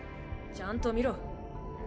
ちゃんと見ろ。